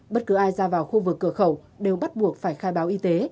bất cứ ai ra vào khu vực cửa khẩu đều bắt buộc phải khai báo y tế